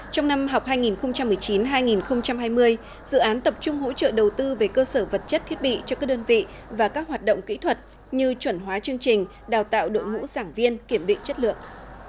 trong năm học hai nghìn một mươi chín hai nghìn hai mươi dự án tập trung hỗ trợ đầu tư về cơ sở vật chất thiết bị cho các đơn vị và các hoạt động kỹ thuật như chuẩn hóa chương trình đào tạo đội ngũ giảng viên kiểm định chất lượng